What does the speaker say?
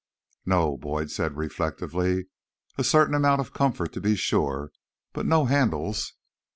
"No," Boyd said reflectively. "A certain amount of comfort, to be sure, but no handles."